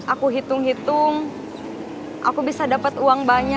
aku hitung hitung aku bisa dapat uang banyak